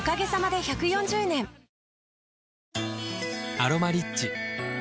「アロマリッチ」